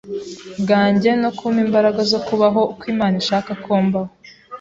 bwanjye no kumpa imbaraga zo kubaho uko Imana ishaka ko mbaho.